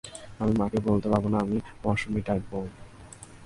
আমি মাকে বলতে পারব না, আমি পশমী টাইম বোমা।